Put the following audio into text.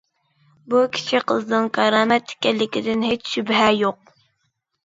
بۇ كىچىك قىزنىڭ كارامەت ئىكەنلىكىدىن ھېچ شۈبھە يوق.